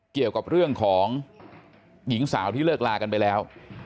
เกี่ยวกับเรื่องของหญิงสาวที่เลิกลากันไปแล้ว